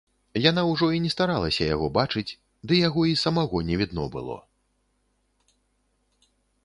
Яна ўжо і не старалася яго бачыць, ды яго і самога не відно было.